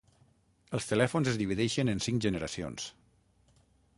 Els telèfons es divideixen en cinc generacions.